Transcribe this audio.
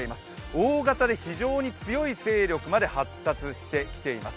大型で非常に強い勢力まで発達してきています。